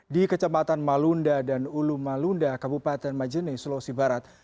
di kecamatan malunda dan ulu malunda kabupaten majene sulawesi barat